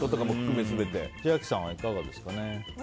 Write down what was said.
千秋さんはいかがですか？